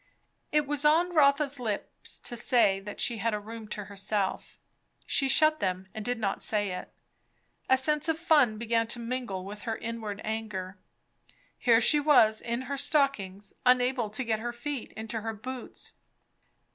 It was on Rotha's lips to say that she had a room to herself; she shut them and did not say it. A sense of fun began to mingle with her inward anger. Here she was in her stockings, unable to get her feet into her boots.